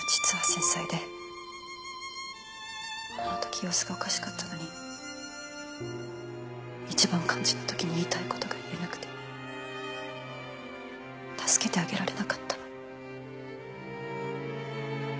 あの時様子がおかしかったのに一番肝心な時に言いたい事が言えなくて助けてあげられなかった。